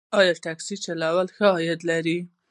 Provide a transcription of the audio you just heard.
آیا ټکسي چلول ښه عاید لري؟